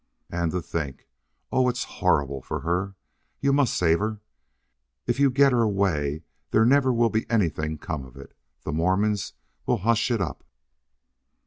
And to think! Oh, it's horrible for her! You must save her. If you get her away there never will be anything come of it. The Mormons will hush it up."